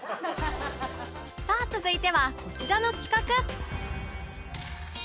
さあ続いてはこちらの企画